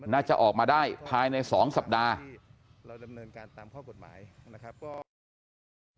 น่าจะออกมาได้ภายใน๒สัปดาห์